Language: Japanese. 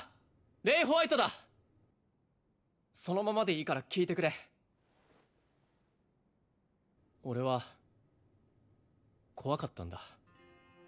レイ＝ホワイトだそのままでいいから聞いてくれ俺は怖かったんだ